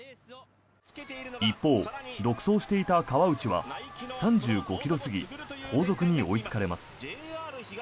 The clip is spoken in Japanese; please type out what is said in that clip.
一方、独走していた川内は３５ｋｍ過ぎ後続に追いつかれます。